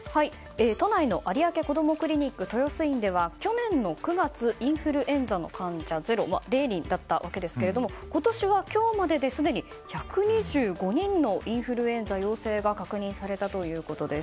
都内の有明こどもクリニック豊洲院では去年の９月インフルエンザの患者０人だったわけですが今年は、今日までで１２５人のインフルエンザ陽性が確認されたということです。